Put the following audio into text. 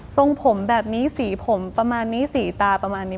ทรงผมแบบนี้สีผมประมาณนี้สีตาประมาณนี้